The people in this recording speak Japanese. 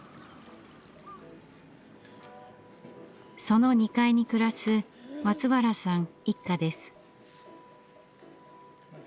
その２階に暮らす松原さん一家です。